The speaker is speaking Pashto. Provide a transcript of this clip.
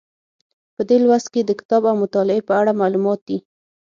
په دې لوست کې د کتاب او مطالعې په اړه معلومات دي.